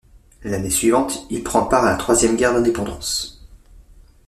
L'année suivante, il prend part à la troisième guerre d'Indépendance.